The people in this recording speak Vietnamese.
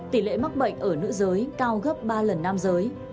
tỷ lệ mắc bệnh ở nữ giới cao gấp ba lần nam giới